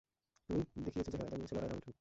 তুমি দেখিয়েছ চেহারা, জানিয়েছ লড়াইয়ের আমন্ত্রণ।